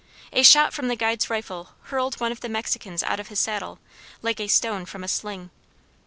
A shot from the guide's rifle hurled one of the Mexicans out of his saddle, like a stone from a sling.